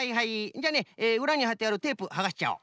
じゃあねうらにはってあるテープはがしちゃおう。